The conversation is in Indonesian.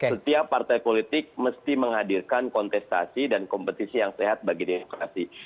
setiap partai politik mesti menghadirkan kontestasi dan kompetisi yang sehat bagi demokrasi